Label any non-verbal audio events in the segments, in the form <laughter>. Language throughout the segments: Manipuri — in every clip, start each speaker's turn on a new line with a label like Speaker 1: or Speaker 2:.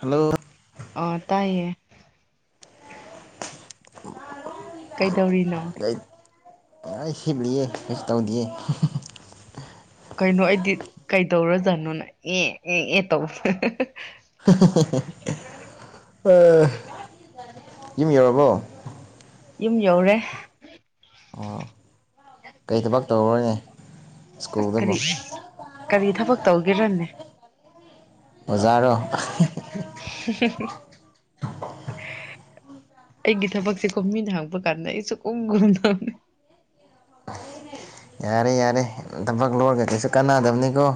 Speaker 1: ꯍꯜꯂꯣ
Speaker 2: ꯑ ꯇꯥꯏꯌꯦ ꯀꯩꯗ ꯇꯧꯔꯤꯅꯣ
Speaker 1: ꯍꯤꯕꯂꯤꯌꯦ ꯔꯁ ꯇꯧꯗꯌꯦ
Speaker 2: ꯀꯩꯅꯣ ꯑꯩꯗꯤ ꯀꯩꯗꯧꯔꯖꯥꯠꯅꯣꯅ ꯑꯦ ꯑꯦ ꯑꯦ ꯇꯧꯕ
Speaker 1: ꯌꯨꯝ ꯌꯧꯔꯕꯣ
Speaker 2: ꯌꯨꯝ ꯌꯧꯔꯦ
Speaker 1: ꯑꯣ ꯀꯩ ꯊꯕꯛ ꯇꯧꯔꯔꯣꯏꯅꯦ
Speaker 2: ꯑꯁ ꯈꯔꯤ ꯀꯔꯤ ꯊꯕꯛ ꯇꯧꯒꯦꯔꯅꯦ
Speaker 1: ꯑꯣꯖꯥ
Speaker 2: ꯑꯩꯒꯤ ꯊꯕꯛꯁꯦ ꯀꯣꯃꯤꯅ ꯍꯥꯡꯕ ꯀꯥꯟꯗ ꯑꯩꯁꯨ ꯀꯨꯝꯒꯔꯨꯝꯗꯧꯅꯤ
Speaker 1: ꯌꯥꯔꯦ ꯌꯥꯔꯦ ꯊꯕꯛ ꯂꯣꯏꯔꯒ ꯀꯩꯁꯨ ꯀꯥꯟꯅꯗꯕꯅꯤꯀꯣ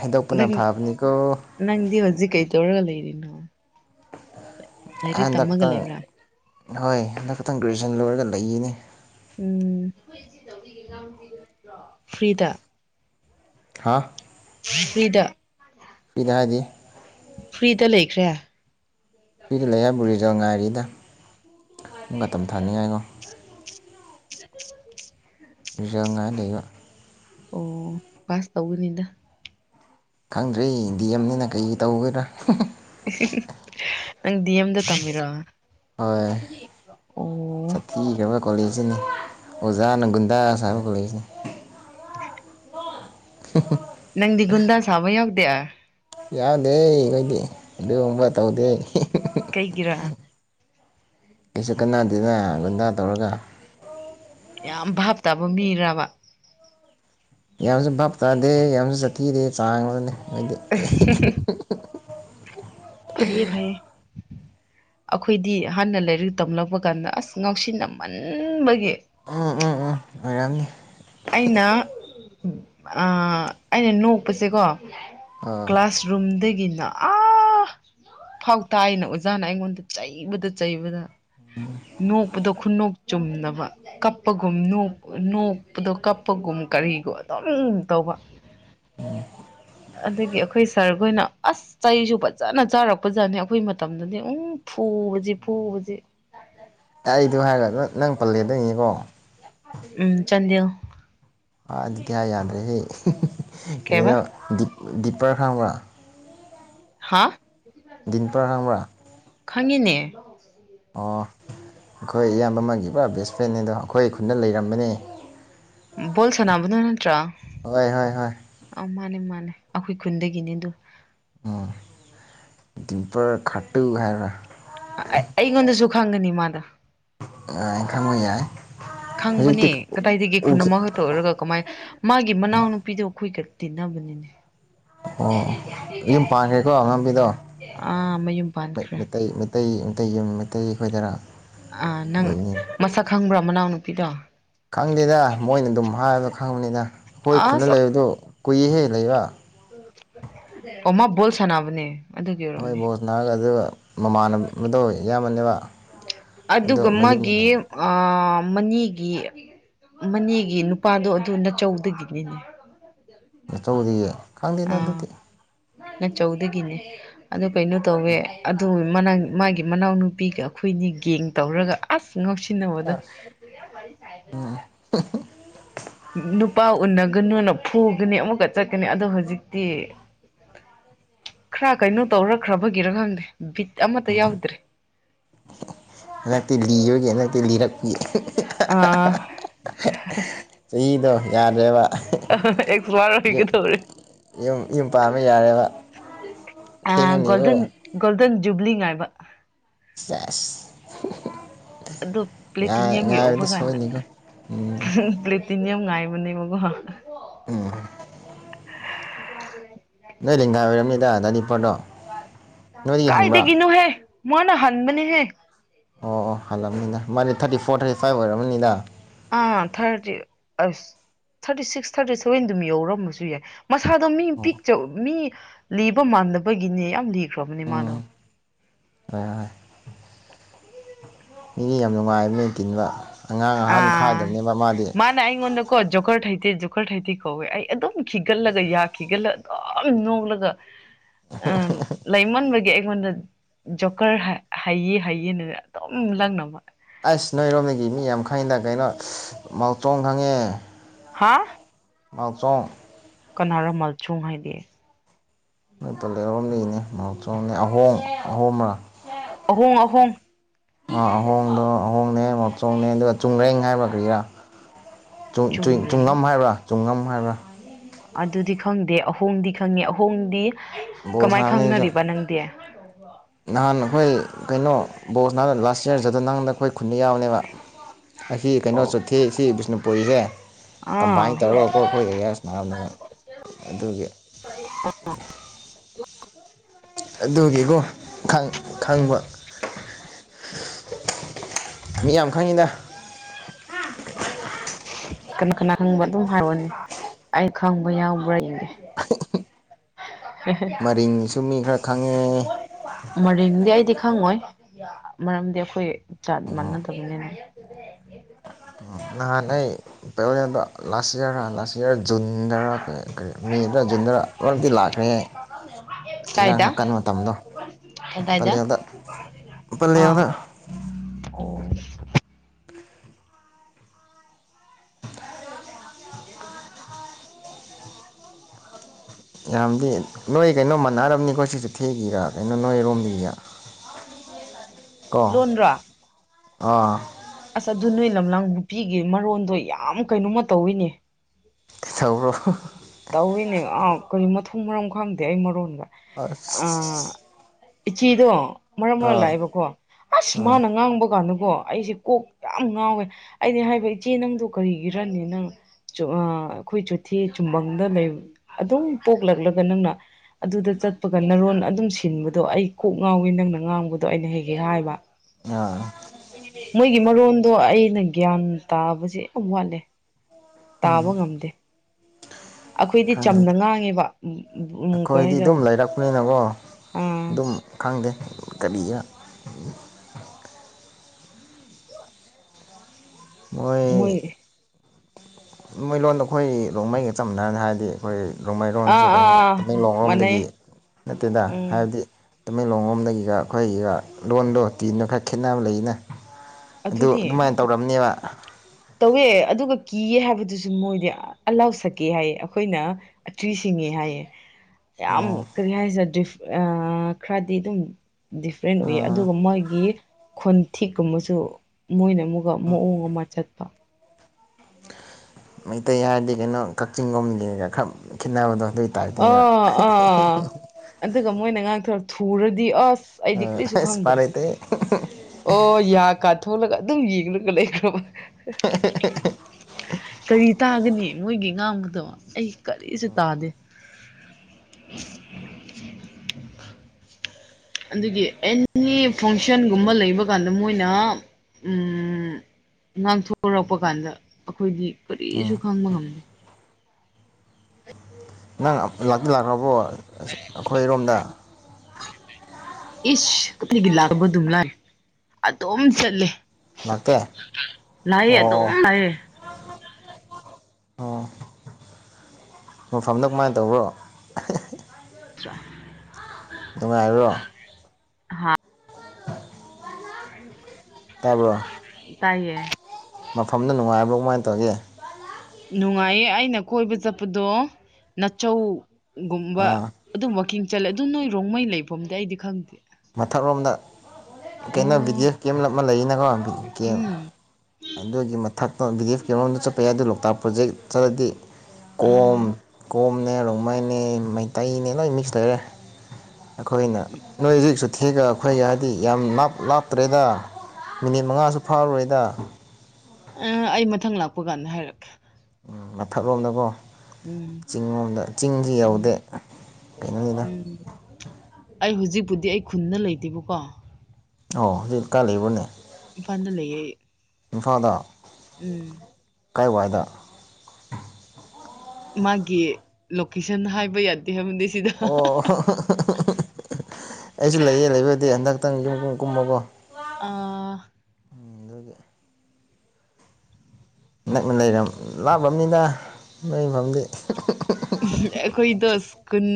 Speaker 1: ꯍꯩꯗꯣꯛꯄꯅ
Speaker 2: ꯅꯪ
Speaker 1: ꯐꯕꯅꯤꯀꯣ
Speaker 2: ꯅꯪꯗꯤ ꯍꯧꯖꯤꯛ ꯀꯩ- ꯀꯩꯗꯧꯔꯒ ꯂꯩꯔꯤꯅꯣ ꯂꯥꯏꯔꯤꯛ ꯇꯝꯃꯒ
Speaker 1: ꯍꯟꯗꯛꯇ
Speaker 2: ꯂꯩꯕ꯭ꯔꯥ
Speaker 1: ꯍꯣꯏ ꯍꯟꯗꯛꯈꯥꯇꯡ ꯒ꯭ꯔꯦꯖꯨꯑꯦꯁꯟ ꯂꯣꯏꯔꯒ ꯂꯩꯔꯤꯅꯦ
Speaker 2: ꯎꯝ ꯐ꯭ꯔꯤꯗ
Speaker 1: ꯍꯥꯥ
Speaker 2: ꯐ꯭ꯔꯤꯗ
Speaker 1: ꯐ꯭ꯔꯤꯗ ꯍꯥꯏꯗꯤ
Speaker 2: ꯐ꯭ꯔꯤꯗ ꯂꯩꯈ꯭ꯔꯦ
Speaker 1: ꯐ꯭ꯔꯤꯗ ꯂꯩ ꯍꯥꯏꯕꯨ ꯉꯥꯏꯔꯤꯗ ꯃꯇꯝ ꯊꯅꯤ ꯍꯥꯏꯉꯣ
Speaker 2: <unintelligible>
Speaker 1: ꯔꯤꯖꯜ ꯉꯥꯏ ꯂꯩꯕ
Speaker 2: ꯑꯣ ꯄꯥꯁ ꯇꯧꯒꯅꯤꯗ
Speaker 1: ꯈꯪꯗ꯭ꯔꯦ ꯗꯤꯑꯦꯝꯅꯤꯅ ꯀꯩ ꯇꯧꯒꯗꯔ꯭ꯥ
Speaker 2: ꯅꯪ ꯗꯤꯑꯦꯝꯗ ꯇꯝꯃꯤꯔꯣ
Speaker 1: ꯍꯣꯏ
Speaker 2: ꯑꯣ
Speaker 1: ꯀꯣꯂꯤꯁꯤꯅ ꯑꯣꯖꯥꯅ ꯒꯨꯟꯗꯥ ꯁꯥꯕ ꯀꯣꯂꯦꯁꯅꯤ ꯍ ꯍꯣ
Speaker 2: ꯅꯪꯗꯤ ꯒꯨꯟꯗꯥ ꯁꯥꯕ ꯌꯥꯎꯗꯦ
Speaker 1: ꯌꯥꯎꯗꯦ ꯑꯈꯣꯏꯗꯤ ꯑꯗꯨꯒꯨꯝꯕ ꯇꯧꯗꯦ
Speaker 2: ꯀꯩꯒꯤꯔ
Speaker 1: ꯀꯩꯁꯨ ꯀꯅꯥꯗꯦꯗ ꯒꯨꯟꯗ ꯇꯧꯔꯒ
Speaker 2: ꯌꯥꯝ ꯚꯥꯞ ꯇꯥꯕ ꯃꯤꯔꯕ
Speaker 1: ꯌꯥꯝꯁꯨ ꯚꯥꯞ ꯇꯥꯗꯦ ꯌꯥꯝꯁꯨ ꯁꯥꯊꯤꯗꯦ ꯆꯥꯡꯗꯅꯦ ꯍꯥꯏꯗꯤ
Speaker 2: ꯐꯩꯌꯦ ꯐꯩꯌꯦ ꯑꯈꯣꯏꯗꯤ ꯑꯍꯟꯅ ꯂꯥꯏꯔꯤꯛ ꯇꯝꯂꯛꯄ ꯀꯥꯟꯗ ꯑꯁ ꯉꯥꯎꯁꯤꯟꯅꯃꯟꯕꯒꯤ
Speaker 1: ꯎꯝ ꯎꯝ ꯎꯝ ꯑꯣꯏꯔꯝꯅꯤ
Speaker 2: ꯑꯩꯅ ꯑꯩꯅ ꯅꯣꯛꯄꯁꯦꯀꯣ
Speaker 1: ꯑꯣ
Speaker 2: ꯀ꯭ꯂꯥꯁꯔꯨꯝꯗꯒꯤꯅ ꯑꯥ ꯐꯥꯎ ꯇꯥꯏꯅ ꯑꯣꯖꯥꯅ ꯑꯩꯉꯣꯟꯗ ꯆꯩꯕꯗ ꯆꯩꯕꯗ ꯅꯣꯛꯄꯗꯣ ꯈꯨꯅꯣꯛ ꯆꯨꯝꯅꯕ ꯀꯞꯄꯒꯨꯝ ꯅꯣꯛ ꯍꯣꯛꯄꯗꯣ ꯀꯞꯄꯒꯨꯝ ꯀꯔꯤꯒꯨꯝ ꯑꯗꯨꯝ ꯇꯧꯕ ꯑꯗꯒꯤ ꯑꯩꯈꯣꯏ ꯁꯔꯈꯣꯏꯅ ꯑꯁ ꯆꯩꯁꯨ ꯐꯖꯟꯅ ꯆꯥꯔꯛꯄ ꯖꯥꯠꯅꯤ ꯑꯩꯈꯣꯏ ꯃꯇꯝꯗꯗꯤ ꯎꯪ ꯐꯨꯕꯁꯤ ꯐꯨꯕꯁꯤ
Speaker 1: ꯑꯩꯗꯣ ꯍꯥꯏꯔꯒ ꯑꯗꯨ ꯅꯪ ꯄꯥꯂꯦꯜꯗꯒꯤꯅꯤꯀꯣ
Speaker 2: ꯎꯝ ꯆꯟꯗꯦꯜ
Speaker 1: ꯑꯖ ꯑꯗꯨꯗꯤ ꯍꯥꯏ ꯌꯗꯔ꯭ꯦ ꯍꯦ
Speaker 2: ꯀꯩꯕ
Speaker 1: ꯀꯩꯅꯣ ꯗꯤꯟꯄꯔ ꯈꯪꯉꯥꯕꯔ꯭ꯥ
Speaker 2: ꯍꯥꯥ
Speaker 1: ꯗꯤꯟꯄꯔ ꯈꯪꯉꯥꯕ
Speaker 2: ꯈꯪꯉꯤꯅꯦ <unintelligible>
Speaker 1: ꯑꯣ ꯑꯈꯣꯏ ꯏꯌꯥꯝꯕ ꯑꯃꯒꯤ ꯄꯨꯔꯥ ꯕꯦꯁ ꯐ꯭ꯔꯦꯟꯅꯦ ꯑꯗꯣ ꯑꯈꯣꯏ ꯈꯨꯗ ꯂꯩꯔꯝꯕꯅꯦ
Speaker 2: ꯣꯁꯅ ꯅ ꯅꯠꯇ꯭ꯔ
Speaker 1: ꯍꯣꯏ ꯍꯣꯏ ꯍꯣꯏ
Speaker 2: ꯃꯥꯅꯦ ꯃꯥꯅꯦ ꯑꯩꯈꯣꯏ ꯈꯨꯟꯗꯒꯤꯅꯤ ꯑꯗꯨ
Speaker 1: ꯎꯝ ꯗꯤꯝꯄꯔ ꯈꯥꯠꯇꯨ ꯍꯥꯏꯕ
Speaker 2: ꯑꯩꯉꯣꯟꯗꯁꯨ ꯈꯪꯒꯅꯤ ꯃꯥꯥꯗ
Speaker 1: ꯑ ꯏꯡ ꯈ ꯃ ꯌꯥ
Speaker 2: ꯈꯪꯕꯅꯦ ꯀꯗꯥꯏꯗꯒꯤ ꯈꯨꯟ ꯑꯃꯈꯛꯇ ꯑꯣꯏꯔꯒ ꯀꯃꯥꯏꯅ ꯃꯥꯒꯤ ꯃꯅꯥꯎꯅꯨꯄꯤꯗꯣ ꯑꯩꯈꯣꯏꯒ ꯇꯤꯟꯅꯕꯅꯤꯅꯦ
Speaker 1: ꯑꯣ ꯌꯨꯝ ꯄꯥꯟꯈ꯭ꯔꯦꯀꯣ ꯉꯥꯕꯤꯗꯣ
Speaker 2: ꯑꯥ ꯃꯌꯨꯝ
Speaker 1: ꯃꯩ
Speaker 2: ꯄꯥꯟꯈ꯭ꯔꯦ
Speaker 1: ꯃꯩ ꯑꯇꯩꯒꯤ ꯅꯨꯃꯤꯠꯇꯗꯤ ꯑꯩꯈꯣꯏꯗꯔ
Speaker 2: ꯑ ꯅꯪ
Speaker 1: ꯑꯣꯏꯅꯤ
Speaker 2: ꯃꯁꯥ ꯈꯪ꯭ꯔ ꯃꯅꯥꯎ ꯅꯨꯄꯤꯤꯗ
Speaker 1: ꯈꯪꯗꯦꯗ ꯃꯣꯏꯅ ꯑꯗꯨꯝ ꯍꯥꯏꯕꯗꯣ ꯈꯪꯕꯅꯤꯅ ꯍꯣꯏ ꯈꯨꯅ
Speaker 2: ꯑꯁ
Speaker 1: ꯂꯩ ꯑꯗꯣ ꯀꯨꯏꯍꯦ ꯂꯩꯕ
Speaker 2: ꯑꯣꯃꯥ ꯣ ꯁꯅꯕꯅꯤ
Speaker 1: ꯍꯣꯏ ꯕꯣꯁ ꯅꯥꯔꯒ ꯑꯗꯨꯒꯕ ꯃꯃꯥꯟꯅꯕꯗꯣ ꯏꯌꯥꯝꯕꯅꯦꯕ ꯑꯗꯣ
Speaker 2: ꯑꯗꯨꯒ
Speaker 1: ꯃꯌꯨꯝꯗ
Speaker 2: ꯃꯥꯒꯤ
Speaker 1: ꯂꯩꯕ
Speaker 2: ꯑ ꯃꯅꯤꯒꯤ ꯃꯅꯤꯒꯤ ꯅꯨꯄꯥꯗꯣ ꯑꯗꯨ ꯅꯆꯧꯗꯒꯤꯅꯤꯅꯦ
Speaker 1: ꯅꯆꯧꯗꯒꯤ ꯈꯪꯗꯦꯗ ꯑꯗꯨꯗꯤ
Speaker 2: ꯑꯥ ꯆꯧꯗꯒꯤꯅꯤ ꯑꯗꯨ ꯀꯩꯅꯣ ꯇꯧꯋꯦ ꯑꯗꯨꯕ ꯃꯅꯥ ꯃꯥꯒꯤ ꯃꯅꯥꯎꯅꯨꯄꯤꯒ ꯑꯩꯈꯣꯏꯅꯤ ꯒꯦꯡ ꯇꯧꯔꯒ ꯑꯁ ꯉꯧꯁꯤꯟꯅꯕꯗꯣ
Speaker 1: ꯆꯥꯁ
Speaker 2: ꯅꯨꯄꯥ ꯎꯟꯅꯒꯅꯨꯅ ꯐꯨꯒꯅꯤ ꯑꯃꯨꯛꯀ ꯆꯠꯀꯅꯤ ꯑꯗꯣ ꯍꯧꯖꯤꯛꯇꯤ ꯈꯔ ꯀꯩꯅꯣ ꯇꯧꯔꯛꯈ꯭ꯔꯕꯒꯤꯔ ꯈꯪꯗꯦ ꯕꯤꯠ ꯑꯃꯠꯇ
Speaker 1: ꯎꯝ
Speaker 2: ꯌꯥꯎꯗ꯭ꯔꯦ
Speaker 1: ꯍꯟꯗꯛꯇꯤ ꯂꯤꯔꯒꯤ ꯍꯟꯗꯛꯇꯤ ꯂꯤꯔꯛ ꯌꯦ
Speaker 2: ꯑꯥ
Speaker 1: ꯌꯥꯗꯕ
Speaker 2: ꯑꯦꯁꯃꯔ ꯑꯣꯏꯒꯗꯧꯔꯦ
Speaker 1: ꯌꯨꯝ ꯌꯨꯝ ꯄꯥꯟꯕ ꯌꯥꯔꯦꯕ
Speaker 2: ꯑ ꯣꯜꯗꯟ
Speaker 1: ꯊꯦꯡꯉꯅꯤꯀꯣ
Speaker 2: ꯣꯜꯗꯟ ꯖꯨꯕꯂꯤ ꯉꯥꯏꯕ
Speaker 1: ꯆꯁ
Speaker 2: ꯑꯗꯨꯣ ꯄ꯭ꯂꯦꯇꯤꯅꯤꯌꯝ ꯌꯎꯧꯕ ꯀꯥꯟꯗ
Speaker 1: ꯁꯣꯏꯅꯤꯀꯣ ꯎꯝ
Speaker 2: ꯄ꯭ꯂꯦꯇꯤꯅꯤꯌꯝ ꯉꯥꯏ ꯃ ꯃꯒꯣ
Speaker 1: ꯎꯝ ꯅꯣꯏ ꯂꯤꯡꯗꯥꯥꯏ ꯑꯣꯏꯔꯕꯝꯅꯤꯗ ꯅꯤꯄꯗꯣ
Speaker 2: ꯀꯥꯏꯗꯒꯅꯨ ꯍꯦ ꯃꯅꯥ ꯍꯟꯃꯅꯤ ꯍꯦ
Speaker 1: ꯑꯣ ꯑꯣ ꯍꯜꯂꯝꯕꯅꯤꯅ ꯃꯥꯗꯤ ꯊꯥꯔꯇꯤ ꯐꯣꯔ ꯊꯥꯔꯇꯤ ꯐꯥꯏꯚ ꯑꯣꯏꯔꯕꯝꯅꯤꯗꯥ
Speaker 2: ꯑꯥ ꯊꯥꯔꯇꯤ ꯑ ꯊꯥꯔꯇꯤ ꯁꯤꯛꯁ ꯊꯥꯔꯇꯤ ꯁꯚꯦꯟ ꯑꯗꯨꯝ ꯌꯧꯔꯝꯕꯁꯨ ꯌꯥꯏ ꯃꯁꯥꯗꯣ ꯃꯤ
Speaker 1: ꯑꯣ
Speaker 2: ꯄꯤꯛꯆꯥ ꯃꯤ ꯂꯤꯕ ꯃꯥꯟꯅꯕꯒꯤꯅꯦ ꯌꯥꯝ ꯂꯤ ꯁꯣꯕꯅꯤ ꯃꯥꯗ
Speaker 1: ꯎꯝ ꯍꯣꯏ ꯃꯤꯒꯤ ꯌꯥꯝ ꯅꯨꯡꯉꯥꯏꯕ ꯃꯤ ꯇꯤꯟꯕ ꯑꯉꯥꯡ ꯑꯍꯟ
Speaker 2: ꯑꯥ
Speaker 1: ꯈꯥꯏꯗꯕꯅꯦꯕ ꯃꯥꯗꯤ
Speaker 2: ꯃꯥꯅꯦ ꯏꯣꯟꯟꯀꯣ ꯖꯀꯔꯠ ꯍꯩꯇꯦꯖ ꯀꯀꯔ ꯊꯥꯏꯗꯤ ꯀꯧꯋꯦ ꯑꯩ ꯑꯗꯨꯝ ꯈꯤꯒꯠꯂꯒ ꯌꯥ ꯈꯤꯒꯠꯂꯒ ꯑꯗꯨꯝ ꯅꯣꯂꯒ ꯑꯥ ꯂꯩꯥꯏꯃꯣꯟꯕꯒꯤ ꯑꯩꯉꯣꯟꯗ ꯖꯣꯀꯔ ꯍꯥꯏꯌꯦ ꯍꯥꯏꯩꯌꯦꯅ ꯑꯗꯨꯝ ꯂꯪꯅꯥꯕ
Speaker 1: ꯍꯩꯅ ꯀꯩꯅꯣ ꯃꯥꯇꯣꯡ ꯈꯪꯉꯦ
Speaker 2: ꯍꯥꯥ
Speaker 1: ꯃꯥꯥꯡ ꯆꯣꯡ
Speaker 2: ꯀꯅꯥꯔꯃꯜꯆꯣꯡ ꯍꯥꯏꯗꯤ
Speaker 1: ꯅ ꯇ ꯂꯩꯔꯣꯝ ꯂꯩꯅꯦꯝꯅꯦ ꯑꯍꯣꯡ ꯑꯍꯣꯡꯕꯥ
Speaker 2: ꯑꯍꯨꯝ ꯑꯍꯨꯝ
Speaker 1: ꯑ ꯑꯍꯣꯡꯗꯣ ꯑꯍꯣꯡꯅꯦ ꯃꯣꯆꯣꯡꯅꯦ ꯑꯗꯨꯒ ꯆꯨꯡꯔꯦꯡ ꯍꯥꯏꯕ ꯀꯔꯤꯔꯥ
Speaker 2: ꯆꯨꯝꯔꯦꯡ
Speaker 1: ꯇꯨꯡꯉꯝ ꯍꯥꯏꯕ꯭ꯔꯥ ꯆꯨꯡꯉꯝ ꯍꯥꯏꯕ
Speaker 2: ꯑꯗꯨꯗꯤ ꯈꯪꯗꯦ ꯑꯍꯣꯡꯗꯤ ꯈꯪꯉꯦ ꯑꯍꯣꯡꯗꯤ
Speaker 1: ꯕꯣꯜ
Speaker 2: ꯀꯃꯥꯏ
Speaker 1: ꯁꯥꯟꯅꯕꯅꯤꯗꯨꯁꯨ
Speaker 2: ꯈꯪꯅꯔꯤꯕ ꯅꯪꯗꯤ
Speaker 1: ꯅꯍꯥꯟ ꯑꯩꯈꯣꯏ ꯀꯩꯅꯣ ꯕꯣꯁ ꯅꯍꯥꯟꯅ ꯂꯥꯁ ꯌꯔꯁꯤ ꯑꯗꯨ ꯅꯪꯅ ꯑꯩꯈꯣꯏ ꯈꯨꯟꯗ ꯌꯥꯎꯅꯦꯕ ꯑꯩ ꯀꯩꯅꯣ
Speaker 2: ꯑꯣ
Speaker 1: ꯆꯠꯈꯤ ꯁꯤ ꯕꯤꯁꯅꯨ ꯑꯣꯏꯣꯏꯔꯦ
Speaker 2: ꯑꯥ
Speaker 1: ꯀꯝꯕꯥꯏꯟ ꯇꯧꯔꯒꯀꯣ ꯑꯩꯈꯣꯏ ꯑꯦꯔꯤꯌꯥꯁ ꯃꯝꯗꯅ ꯑꯗꯨꯒꯤ
Speaker 2: <inaudible>
Speaker 1: ꯑꯗꯨꯒꯤꯀꯣ ꯈꯪ ꯈꯪꯕ ꯃꯤ ꯌꯥꯝ ꯑꯃ ꯈꯪꯉꯤꯗꯥ
Speaker 2: ꯀꯅꯥ ꯀꯅꯥ ꯈꯪꯕ ꯑꯗꯨꯝ ꯍꯥꯏꯔꯅꯤ ꯑꯩ ꯈꯪꯕ ꯌꯥꯎꯕ꯭ꯔꯥ ꯑꯩ
Speaker 1: ꯃꯔꯤꯡꯁꯨ ꯃꯤ ꯈꯔ ꯈꯪꯉꯦ
Speaker 2: ꯃꯔꯤꯡꯗꯤ ꯑꯩꯗꯤ ꯈꯪꯉꯣꯏ ꯃꯔꯝꯗꯤ ꯑꯩꯈꯣꯏ ꯆꯥꯠ ꯃꯅ ꯇꯃꯤꯅꯤꯅ ꯑꯗꯨꯗ
Speaker 1: ꯅꯍꯥꯟ ꯑꯩ ꯄꯦꯣꯂꯦꯟꯗ ꯂꯥꯁ ꯏꯌꯥꯔ ꯂꯥꯁ ꯏꯌꯥꯔ ꯖꯨꯟꯗ ꯀ ꯀꯔꯤ ꯃꯦꯗ ꯖꯨꯟꯗꯔ ꯃꯔꯣꯏꯗꯤ ꯂꯥꯛꯈ꯭ꯔꯦ ꯏꯔꯥꯡ
Speaker 2: ꯀꯥꯏꯗ
Speaker 1: ꯀꯟꯕ ꯃꯇꯝꯗꯣ
Speaker 2: ꯀꯗꯥꯏꯗ
Speaker 1: ꯄꯂꯦꯜꯗ
Speaker 2: ꯑꯥ
Speaker 1: ꯄꯂꯦꯜꯗ
Speaker 2: ꯉꯃ
Speaker 1: ꯌꯥꯝꯗꯤ ꯅꯣꯏ ꯀꯩꯅꯣ ꯃꯥꯟꯅꯔꯕꯅꯤꯀꯣ ꯁꯤꯁꯨ ꯊꯦꯒꯤꯔ ꯑꯩꯅꯣ ꯅꯣꯏꯔꯣꯝꯕꯤ ꯀꯣ
Speaker 2: ꯂꯣꯟꯔꯣ
Speaker 1: ꯑ
Speaker 2: ꯑꯁ ꯑꯗꯨ ꯅꯣꯏ ꯂꯝꯂꯥꯡ ꯕꯨꯄꯤꯒꯤ ꯃꯔꯣꯟꯗꯣ ꯌꯥꯝ ꯀꯩꯅꯣꯃ ꯇꯧꯋꯤꯅꯦ
Speaker 1: ꯊꯧꯔꯣ
Speaker 2: ꯇꯧꯏꯤꯅꯦ ꯑꯥ ꯀꯔꯤ ꯃꯊꯣꯡ ꯃꯔꯝ ꯈꯪꯗꯦ ꯑꯩ ꯃꯔꯣꯟꯒ
Speaker 1: ꯑꯁ
Speaker 2: ꯑ ꯆꯤꯗꯣ ꯃꯔꯛ ꯃꯔ
Speaker 1: ꯑꯥ
Speaker 2: ꯂꯥꯛꯑꯦꯕꯀꯣ ꯑꯁ
Speaker 1: ꯑꯥ
Speaker 2: ꯃꯥꯅ ꯉꯥꯡꯕ ꯀꯥꯟꯗ ꯀꯣ ꯑꯩꯁꯦ ꯀꯣꯛ ꯌꯥꯝ ꯉꯥꯎꯋꯦ ꯑꯩꯗꯤ ꯍꯥꯏꯕ ꯏꯆꯦ ꯅꯪꯗꯣ ꯀꯔꯤꯒꯤꯔꯅꯤ ꯅꯪ ꯑꯩꯈꯣꯏ ꯆꯨꯊꯤ ꯁꯨꯝꯕꯪꯗ ꯂꯩ ꯑꯗꯨꯝ ꯄꯣꯛꯂꯛꯂꯒ ꯅꯪꯅ ꯑꯗꯨꯗ ꯆꯠꯄꯒ ꯅꯔꯣꯟ ꯑꯗꯨꯝ ꯁꯤꯟꯕꯗꯣ ꯑꯩ ꯀꯣꯛ ꯉꯥꯎꯏꯤ ꯅꯪꯅ ꯉꯥꯡꯕꯗꯣ ꯑꯩꯅ ꯍꯦꯛꯒ ꯍꯥꯏꯕ
Speaker 1: ꯑꯥ
Speaker 2: ꯃꯣꯏꯒꯤ ꯃꯔꯣꯟ ꯑꯗꯣ ꯑꯩꯅ ꯒ꯭ꯌꯥꯟ ꯇꯥꯕꯁꯦ ꯌꯥꯝ ꯋꯥꯠꯂꯦ
Speaker 1: ꯎꯝ
Speaker 2: ꯇꯥꯕ ꯉꯝꯗꯦ ꯑꯩꯈꯣꯏꯗꯤ
Speaker 1: ꯈꯪꯗꯦ
Speaker 2: ꯆꯝꯅ ꯉꯥꯡꯉꯦꯕ ꯀ
Speaker 1: ꯑꯩꯈꯣꯏꯗꯤ
Speaker 2: ꯍꯥꯏꯁꯦ
Speaker 1: ꯑꯗꯨꯝ ꯂꯩꯔꯛꯄꯅꯤꯅꯀꯣ
Speaker 2: ꯑꯥ
Speaker 1: ꯀꯕꯤ ꯃꯣꯏ ꯃꯣꯏꯂꯣꯟꯣꯟꯗ ꯑꯩꯈꯣꯏ ꯅꯣꯡꯃꯩꯒ ꯆꯝꯅꯔꯅ ꯍꯥꯏꯔꯗꯤ ꯑꯩꯈꯣꯏ ꯅꯣꯡꯃꯩꯔꯣꯟꯁꯨ
Speaker 2: ꯑꯥ ꯑꯥ
Speaker 1: ꯀꯩꯅꯣ
Speaker 2: ꯑꯥ ꯃꯥꯟꯅꯩ
Speaker 1: ꯇꯃꯦꯡꯂꯣꯡꯡꯂꯣꯝꯗꯒꯤ ꯅꯠꯇꯦꯗ
Speaker 2: ꯎꯝ
Speaker 1: ꯍꯥꯏꯕꯗꯤ ꯇꯃꯦꯡꯂꯣꯡꯡꯂꯣꯝꯗꯒꯤꯒ ꯑꯩꯈꯣꯏꯒꯤꯒ ꯂꯣꯟꯗꯣ ꯇꯤꯟꯗꯣ ꯈꯔ ꯈꯦꯠꯅꯕ ꯂꯩꯅ ꯑꯗꯨ
Speaker 2: ꯑꯗꯨꯅꯦ
Speaker 1: ꯑꯗꯨꯃꯥꯏꯅ ꯇꯧꯔꯝꯅꯦꯕ <inaudible>
Speaker 2: ꯇꯧꯋꯦ ꯑꯗꯨꯒ ꯀꯤꯌꯦꯦ ꯍꯥꯏꯕꯗꯨꯁꯨ ꯃꯣꯏꯗꯤ ꯑꯂꯥꯎ ꯁꯛꯀꯦ ꯍꯥꯏꯌꯦ ꯑꯩꯈꯣꯏꯅ ꯑꯇ꯭ ꯁꯤꯡꯉꯦ ꯍꯥꯏꯌꯦ ꯌꯥꯝ
Speaker 1: ꯑꯣ
Speaker 2: ꯀꯔꯤ ꯍꯥꯏꯁꯦꯐ ꯑ ꯈꯔꯗꯤ ꯑꯗꯨꯝ ꯗꯤꯐ꯭ꯔꯦꯟ
Speaker 1: ꯑꯥ
Speaker 2: ꯑꯣꯏꯏ ꯑꯗꯨꯒ
Speaker 1: ꯑꯥ
Speaker 2: ꯃꯣꯏꯒꯤ ꯈꯣꯟꯊꯤꯀꯨꯝꯕꯁꯨ ꯃꯣꯏꯅ ꯑꯃꯨꯛꯒ ꯃꯑꯣꯡ ꯑꯃ ꯆꯠꯄ
Speaker 1: ꯃꯩꯇꯩ ꯍꯥꯏꯔꯗꯤ ꯀꯩꯅꯣ ꯀꯛꯆꯤꯡꯒꯣꯝꯒ ꯈ ꯈꯦꯠꯅꯕꯗꯣ ꯑꯗꯨꯏ
Speaker 2: ꯑ
Speaker 1: ꯇꯥꯏꯞꯇꯅꯦꯕ
Speaker 2: ꯑꯥ ꯑꯗꯨꯒ ꯃꯣꯏꯅ ꯉꯥꯡꯊꯣꯔꯛꯇ ꯊꯨꯔꯗꯤ ꯑꯁ ꯑꯩꯗꯤ
Speaker 1: ꯑ
Speaker 2: ꯀꯔꯤꯁꯨ
Speaker 1: ꯏꯁ
Speaker 2: ꯈꯪꯗ꯭ꯔꯦ
Speaker 1: ꯄꯔꯦꯇ ꯍ ꯍ
Speaker 2: ꯑꯣ ꯌꯥ ꯀꯥꯊꯣꯛꯂꯒ ꯑꯗꯨꯝ ꯌꯦꯡꯒ ꯂꯩꯈ꯭ꯔꯕ ꯀꯔꯤ ꯇꯥꯒꯅꯤ ꯃꯣꯏꯒꯤ ꯉꯥꯡꯕꯗꯕ ꯑꯩ ꯀꯔꯤꯁꯨ ꯇꯥꯗꯦ ꯑꯗꯨꯒꯤ ꯑꯦꯅꯤ ꯐꯪꯁꯟꯒꯨꯝꯕ ꯂꯩꯕ ꯀꯥꯟꯗ ꯃꯣꯏꯅ ꯎꯝꯝ ꯉꯥꯡꯊꯣꯔꯛꯄ ꯀꯥꯟꯗ ꯑꯩꯈꯣꯏꯗꯤ ꯀꯔꯤꯁꯨ
Speaker 1: ꯎꯝ
Speaker 2: ꯈꯪꯕ ꯉꯝꯗꯦ
Speaker 1: ꯅꯪ ꯂꯥꯛꯇꯤ ꯂꯥꯛꯈ꯭ꯔꯕꯣ <unintelligible> ꯑꯩꯈꯣꯏꯔꯣꯝꯗ
Speaker 2: ꯏꯁ ꯀꯔꯤꯒꯤ ꯂꯥꯛꯄ ꯑꯗꯨꯝ ꯂꯥꯏ ꯑꯗꯨꯝ ꯆꯠꯂꯦ
Speaker 1: ꯂꯥꯛꯇꯦ
Speaker 2: ꯂꯥꯛꯌꯦ ꯑꯗꯨꯝ
Speaker 1: ꯑꯣ
Speaker 2: ꯂꯥꯛꯌꯦ
Speaker 1: ꯑꯣ ꯃꯐꯝꯗꯣ ꯀꯃꯥꯏꯅ ꯇꯧꯕ꯭ꯔꯣ
Speaker 2: <unintelligible>
Speaker 1: ꯅꯨꯡꯉꯥꯏꯔꯣ
Speaker 2: ꯍꯥꯥ <inaudible>
Speaker 1: ꯇꯥꯕꯔ꯭
Speaker 2: ꯇꯥꯏꯌꯦ
Speaker 1: ꯃꯐꯝꯗ ꯅꯨꯡꯉꯥꯏꯕ꯭ꯔꯣ ꯀꯃꯥꯏꯅ ꯇꯧꯒꯦ
Speaker 2: ꯅꯨꯡꯉꯥꯏꯌꯦ ꯑꯩꯅ ꯀꯣꯏꯕ ꯆꯠꯄꯗꯣ ꯅꯆꯧ ꯒꯨꯝꯕ
Speaker 1: ꯑꯥ
Speaker 2: ꯑꯗꯨꯝ ꯋꯥꯀꯤꯡ ꯆꯠꯂꯦ ꯑꯗꯨ ꯅꯣꯏ ꯔꯣꯡꯃꯩ ꯂꯩꯐꯝꯗꯤ ꯑꯩꯗꯤ ꯈꯪꯗꯦ
Speaker 1: ꯃꯊꯛꯂꯣꯝꯗ ꯀꯩꯅꯣ ꯚꯤꯗꯤꯑꯣ
Speaker 2: ꯑꯣ
Speaker 1: ꯀꯦꯝ ꯂꯞ ꯑꯃ ꯂꯩꯔꯤꯅꯀꯣꯚ ꯀꯦꯝ
Speaker 2: ꯎꯝ
Speaker 1: ꯑꯗꯨꯒꯤ ꯃꯊꯛ ꯕꯤ ꯗꯤ ꯑꯦꯐ ꯀꯦ ꯃꯔꯔꯣꯝꯗ ꯆꯠꯄ ꯌꯥꯏ ꯑꯗꯨ ꯂꯣꯛꯇꯥꯛ ꯄ꯭ꯔꯣꯖꯦꯛ ꯆꯠꯂꯗꯤ ꯀꯨꯝꯨꯝ
Speaker 2: ꯑꯥ
Speaker 1: ꯀꯨꯝꯨꯝ ꯃꯅꯦ ꯔꯣꯡꯃꯥꯏꯅꯦ ꯃꯩꯇꯩꯅꯦ ꯂꯣꯏ ꯃꯤꯛꯁ ꯂꯩꯔꯦ ꯑꯩꯈꯣꯏꯅ ꯅꯣꯏ ꯍꯧꯖꯤꯛꯁꯨ ꯏꯊꯤꯒ ꯑꯩꯈꯣꯏꯒ ꯍꯥꯏꯗꯤ ꯌꯥꯝ ꯂꯥꯞ ꯂꯥꯞꯇ꯭ꯔꯦꯗ ꯃꯤꯅꯤꯠ ꯃꯉꯥꯁꯨ ꯐꯥꯎꯔꯣꯏ ꯗ
Speaker 2: ꯑ ꯑꯩ ꯃꯊꯪ ꯂꯥꯛꯄ ꯀꯥꯟꯗ ꯍꯥꯏꯔꯛꯀꯦ
Speaker 1: ꯃꯊꯛꯂꯣꯝꯗꯀꯣ
Speaker 2: ꯎꯝ
Speaker 1: ꯆꯤꯡ ꯂꯣꯝꯗ ꯆꯤꯡꯁꯤ
Speaker 2: ꯎꯝ
Speaker 1: ꯌꯧꯗꯦ ꯀꯩꯅꯣꯅꯤꯗ
Speaker 2: ꯎꯝ ꯑꯩ ꯍꯧꯖꯤꯛꯄꯨꯗꯤ ꯑꯩ ꯈꯨꯟꯅ ꯂꯩꯇꯦꯕꯀꯣ
Speaker 1: ꯑꯣ ꯍꯧꯖꯤꯛ ꯀꯥ ꯂꯩꯕꯅꯦ
Speaker 2: ꯐꯟꯗ ꯂꯩꯌꯦ
Speaker 1: ꯏꯝꯐꯥꯜꯗ
Speaker 2: ꯎꯝ
Speaker 1: ꯀꯥꯏ ꯋꯥꯏꯗ
Speaker 2: ꯃꯥꯒꯤ ꯂꯣꯀꯦꯁꯟ ꯍꯥꯏꯕ ꯌꯥꯗꯦ ꯍꯥꯏꯕꯗꯤ
Speaker 1: ꯑꯣ <unintelligible> ꯑꯩꯁꯨ ꯂꯩꯌꯦ ꯂꯩꯕꯗꯤ ꯍꯟꯗꯛ ꯈꯤꯇꯪ ꯌꯨꯝ ꯀꯨꯝ ꯀꯨꯝꯃꯒꯣ
Speaker 2: ꯑ
Speaker 1: ꯅꯛꯅ ꯂꯩꯔꯕ ꯂꯥꯛꯄꯅꯤꯅ ꯂꯩꯐꯝꯗꯤ
Speaker 2: ꯈꯣꯏꯗꯁ ꯀꯟ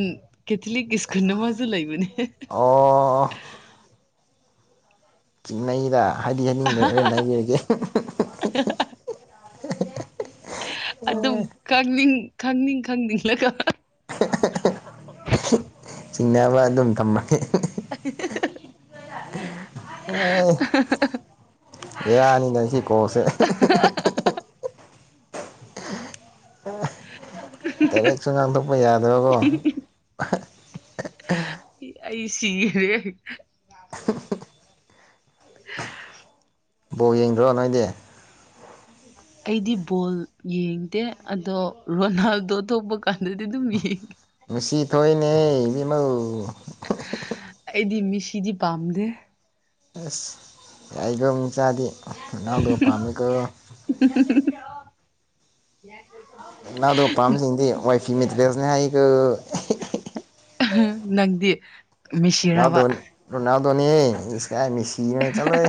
Speaker 2: ꯀꯦꯊꯂꯤꯛ ꯁ꯭ꯀꯨꯜꯅ ꯃꯖꯨ ꯂꯩꯥꯏ ꯃꯅꯦ
Speaker 1: ꯑꯣ ꯆꯤꯡꯟꯅꯩꯗ
Speaker 2: ꯑꯗꯨꯝ ꯀꯅꯤꯡ ꯈꯪꯅꯤꯡ ꯈꯪꯅꯤꯡꯂꯒ
Speaker 1: <inaudible> ꯆꯤꯡꯅꯕ ꯑꯗꯨꯝ ꯇꯝꯃꯒꯦ
Speaker 2: <inaudible>
Speaker 1: ꯎ ꯑꯦ ꯌꯥꯅꯤ ꯅꯁꯤ ꯀꯣꯁꯦ ꯇꯔꯦꯠ ꯆꯉꯥꯡ ꯊꯣꯛꯄ ꯌꯥꯗꯕꯀꯣ
Speaker 2: ꯑꯩ ꯁꯤꯉꯦꯔꯦ <inaudible>
Speaker 1: ꯕꯣ ꯌꯦꯡꯗ꯭ꯔꯣ ꯅꯣꯏꯗꯤ
Speaker 2: ꯑꯩꯗꯤ ꯕꯣꯜ ꯌꯦꯡꯗꯦ ꯑꯗꯣ ꯔꯣꯅꯥꯜꯗꯣꯇꯣꯞꯄ ꯄꯥꯟꯗꯗꯤ ꯑꯗꯨꯃꯤ
Speaker 1: ꯊꯣꯏꯅꯦ ꯏꯃꯜ
Speaker 2: ꯑꯩꯗꯤ ꯃꯤꯁꯤꯗꯤ ꯄꯝ ꯗꯦ
Speaker 1: ꯑꯁ ꯑꯩꯗꯝ ꯆꯥꯗꯗꯤ ꯅꯥꯎꯗ ꯄꯥꯃꯤꯀ
Speaker 2: ꯌꯥ
Speaker 1: ꯅꯅꯥꯗ ꯄꯄꯥꯝꯝꯕꯁꯤꯡꯗꯤ ꯋꯥꯏ ꯐꯤ ꯂꯔꯖꯅ ꯍꯥꯏ ꯑꯩꯀ
Speaker 2: ꯅꯪꯗꯤ ꯃꯁꯤꯔꯕ
Speaker 1: ꯅꯤ ꯀꯌꯥꯅꯤꯁꯤꯅ ꯆꯂꯣꯦ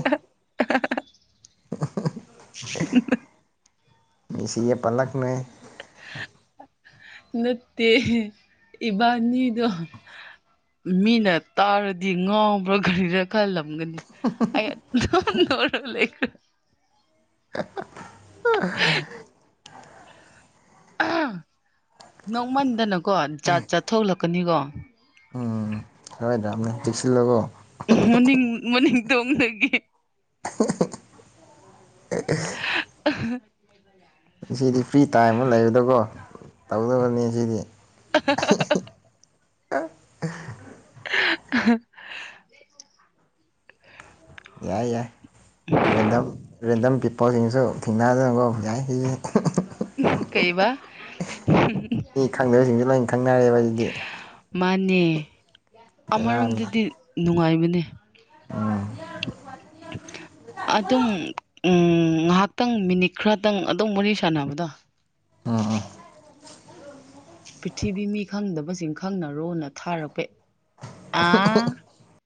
Speaker 2: <inaudible>
Speaker 1: ꯏꯁꯒꯤ ꯄꯂꯛꯅꯦ
Speaker 2: ꯅꯠꯇꯦ ꯏꯕꯥꯅꯤꯗꯣ ꯃꯤꯅ ꯇꯥꯔꯗꯤ ꯉꯥꯎꯕ꯭ꯔꯣ ꯒꯥꯔꯤꯅ ꯈꯜꯂꯣ ꯒꯗꯤ ꯑꯔ ꯂꯩ
Speaker 1: <inaudible> <unintelligible>
Speaker 2: ꯅꯣꯡꯃꯟꯗꯅꯀꯣ ꯖꯥꯠ ꯆꯥꯠꯊꯣꯛꯂꯛꯀꯅꯤꯀꯣ
Speaker 1: ꯇꯝꯅ ꯍꯁꯤꯂꯀꯣ
Speaker 2: ꯃꯅꯤꯡ ꯃꯅꯤꯡ ꯇꯣꯡꯗꯒꯤ
Speaker 1: <unintelligible>
Speaker 2: <unintelligible>
Speaker 1: ꯁꯤꯗꯤ ꯐ꯭ꯔꯤ ꯇꯥꯏꯝ ꯑꯃ ꯂꯩꯕꯗꯀꯣ ꯇꯧꯗꯕꯅꯤ ꯁꯤꯗꯤ ꯑ
Speaker 2: ꯑ
Speaker 1: ꯌꯥꯏ ꯌꯥꯏ ꯔꯦꯟꯗꯝ ꯔꯦꯟꯗꯝ ꯄꯤꯄꯜꯁꯤꯡꯁꯨ ꯊꯦꯡꯅꯗꯅꯀꯣ ꯌꯥꯏ ꯁꯤ
Speaker 2: ꯀꯩꯕ
Speaker 1: ꯃꯤ ꯈꯪꯗꯕꯁꯤꯡꯁꯨ ꯂꯣꯏꯅ ꯈꯪꯅꯔꯦꯕ ꯑꯗꯨꯗꯤ
Speaker 2: ꯅꯤꯦ
Speaker 1: ꯕꯦꯔꯥꯅꯤ
Speaker 2: ꯑꯃꯔꯣꯝꯗꯗꯤ ꯅꯨꯡꯉꯥꯏꯕꯅꯤ ꯑꯗꯨꯝ ꯎꯝ ꯉꯥꯏꯍꯥꯛꯇꯪ ꯃꯤꯅꯤꯠ ꯈꯔꯗꯪ ꯑꯗꯨꯝ ꯃꯔꯤ ꯁꯥꯟꯅꯕꯗꯣ
Speaker 1: ꯎꯝ ꯎꯝ
Speaker 2: ꯄ꯭ꯔꯤꯊꯤꯕꯤ ꯃꯤ ꯈꯪꯗꯕꯁꯤꯡ ꯈꯪꯅ ꯔꯣꯅ ꯊꯥꯔꯛꯄꯦ
Speaker 1: <unintelligible>